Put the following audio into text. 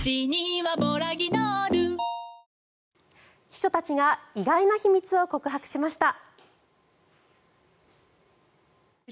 秘書たちが意外な秘密を告白しました。